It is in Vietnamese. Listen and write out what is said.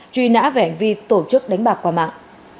truy nã vẻn vì tổ chức đánh bạc qua mạng